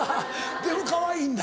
でもかわいいんだ。